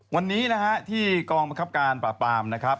วันนี้ที่กองประครับการปลาปลามนะครับ